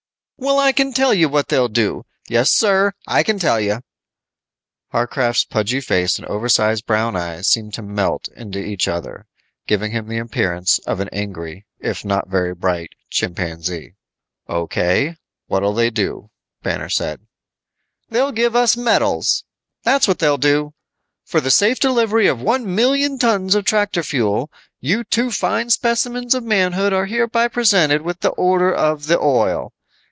"Well, I can tell you what they'll do. Yes, sir, I can tell you." Warcraft's pudgy face and oversize brown eyes seemed to melt into each other, giving him the appearance of an angry, if not very bright, chimpanzee. "O.K., what'll they do?" Banner said. "They'll give us medals. That's what they'll do. For safe delivery of one million tons of tractor fuel, you two fine specimens of manhood are hereby presented with the Order of the Oil.